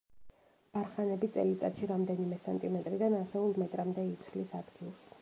ბარხანები წელიწადში რამდენიმე სანტიმეტრიდან ასეულ მეტრამდე იცვლის ადგილს.